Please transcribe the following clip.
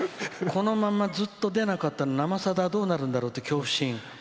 このままずっと出なかったら「生さだ」どうなるんだろうっていう恐怖心。